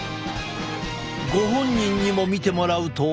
ご本人にも見てもらうと。